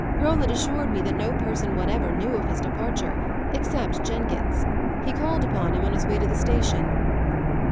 "Roland assured me that no person whatever knew of his departure, except Jenkins. He called upon him on his way to the station."